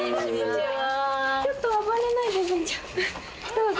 どうぞ。